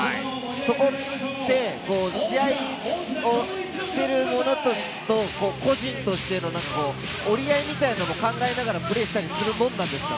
そこって試合をしている者として、個人としての折り合いみたいのも考えながらプレーしたりするもんなんですか？